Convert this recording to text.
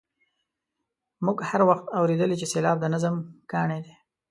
موږ هر وخت اورېدلي چې سېلاب د نظم کاڼی دی.